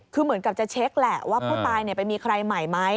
คือเหมือนกับจะเช็คแหละว่าผู้ตายไปมีใครใหม่ไหม